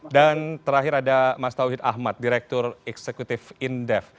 dan terakhir ada mas taufik ahmad direktur eksekutif indef